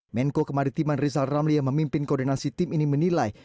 menko kemaritiman rizal ramli yang memimpin koordinasi tim ini menilai